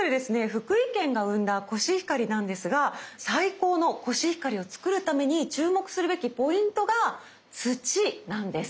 福井県が生んだコシヒカリなんですが最高のコシヒカリを作るために注目するべきポイントが土なんです。